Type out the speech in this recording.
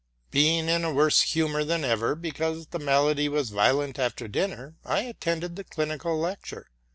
In a worse humor than ever, because the malady was violent after dinner, I attended the clinical lecture.